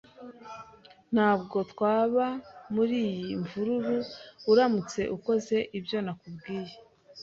Ntabwo twaba muriyi mvururu uramutse ukoze ibyo nakubwiye.